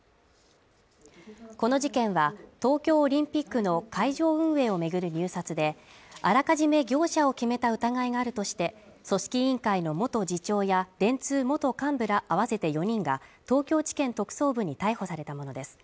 この事件は東京オリンピックの会場運営を巡る入札であらかじめ業者を決めた疑いがあるとして組織委員会の元次長や電通元幹部ら合わせて４人が東京地検特捜部に逮捕されたものです